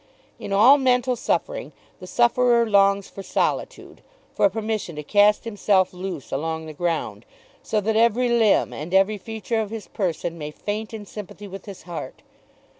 In all mental suffering the sufferer longs for solitude, for permission to cast himself loose along the ground, so that every limb and every feature of his person may faint in sympathy with his heart.